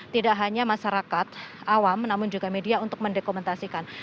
tidak hanya masyarakat awam namun juga media untuk mendokumentasikan